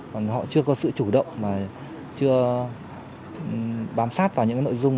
còn họ chưa có sự chủ động mà chưa bám sát vào những cái nội dung